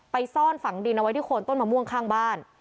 ซ่อนฝังดินเอาไว้ที่โคนต้นมะม่วงข้างบ้าน